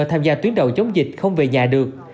tham gia tuyến đầu chống dịch không về nhà được